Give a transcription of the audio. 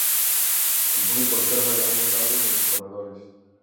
El público observa a ambos lados de los corredores.